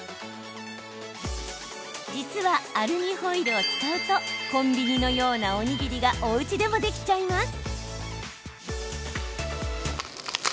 実はアルミホイルを使うとコンビニのような、おにぎりがおうちでもできちゃいます。